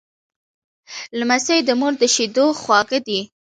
لمسی د مور د شیدو خواږه دی.